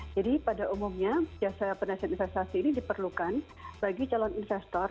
jadi pada umumnya jasa penasihat investasi ini diperlukan bagi calon investor